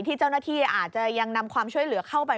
ที่เจ้าหน้าที่อาจจะยังนำความช่วยเหลือเข้าไป